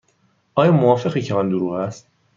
آیا موافقی که آن دروغ است؟